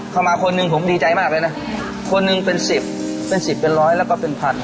มาคนหนึ่งผมดีใจมากเลยนะคนหนึ่งเป็นสิบเป็นสิบเป็นร้อยแล้วก็เป็นพัน